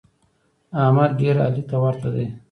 احمد ډېر علي ته ورته دی.